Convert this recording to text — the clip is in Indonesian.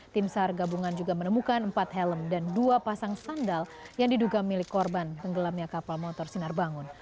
tim sar gabungan juga menemukan empat helm dan dua pasang sandal yang diduga milik korban tenggelamnya kapal motor sinar bangun